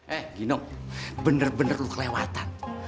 eh ginok bener bener lu kelewatan